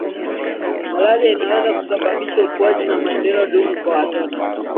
malaria inaweza kusababisha ukuaji na maendeleo duni kwa watoto